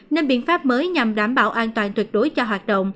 nên biện pháp mới nhằm đảm bảo an toàn tuyệt đối cho hoạt động